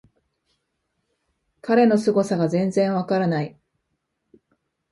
彼のすごさが全然わからない